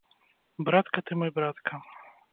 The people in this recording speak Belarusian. Братка ты мой, братка!